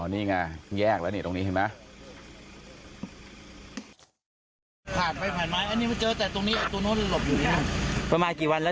นี่ไงแยกแล้วนี่ตรงนี้เห็นไหม